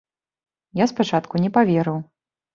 Я спачатку не паверыў.